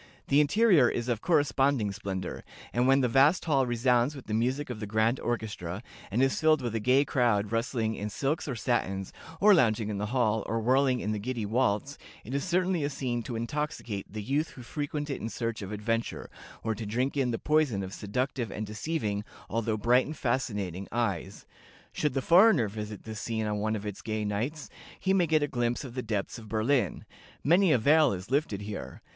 The interior is of corresponding splendor, and when the vast hall resounds with the music of the grand orchestra, and is filled with a gay crowd rustling in silks or satins, or lounging in the hall, or whirling in the giddy waltz, it is certainly a scene to intoxicate the youth who frequent it in search of adventure, or to drink in the poison of seductive and deceiving, although bright and fascinating eyes. Should the foreigner visit this scene on one of its gay nights, he may get a glimpse of the depths of Berlin life. Many a veil is lifted here.